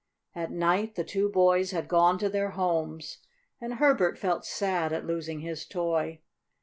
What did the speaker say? At night the two boys had gone to their homes, and Herbert felt sad at losing his toy.